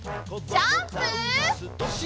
ジャンプ！